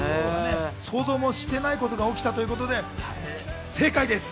想像もしてないことが起きたということで正解です！